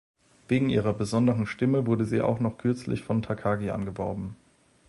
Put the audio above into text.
Wegen ihrer besonderen Stimme wurde sie auch noch kürzlich von Takagi angeworben.